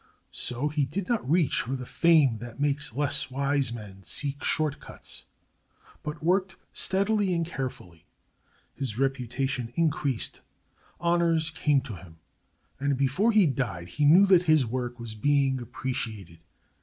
So he did not reach for the fame that makes less wise men seek short cuts, but worked steadily and carefully. His reputation increased, honors came to him, and before he died he knew that his work was being appreciated.